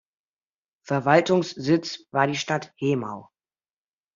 Verwaltungssitz war die Stadt Hemau.